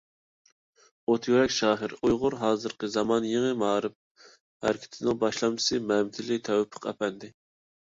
ئوت يۈرەك شائىر، ئۇيغۇر ھازىرقى زامان يېڭى مائارىپ ھەرىكىتىنىڭ باشلامچىسى مەمتىلى تەۋپىق ئەپەندى.